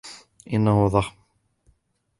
انه ضخم.